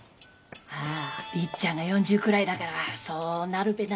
あありっちゃんが４０くらいだからそうなるべな。